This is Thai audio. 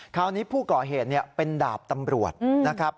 คราวนี้ผู้ก่อเหตุเป็นดาบตำรวจนะครับ